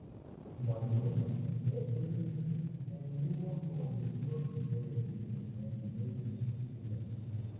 Gabriel Bethlen tenía por misión reunificar el reino húngaro.